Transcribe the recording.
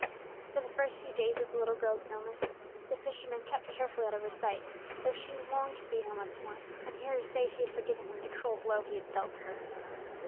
During the first few days of the little girl's illness, the fisherman kept carefully out of her sight, though he longed to see her once more, and hear her say she had forgiven him the cruel blow he had dealt to her.